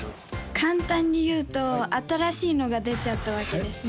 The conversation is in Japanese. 簡単に言うと新しいのが出ちゃったわけですね